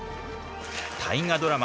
大河ドラマ